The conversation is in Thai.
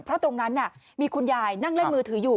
เพราะตรงนั้นมีคุณยายนั่งเล่นมือถืออยู่